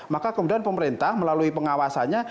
maka kemudian pemerintah melalui pengawasannya